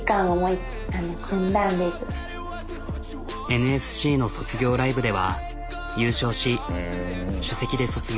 ＮＳＣの卒業ライブでは優勝し首席で卒業。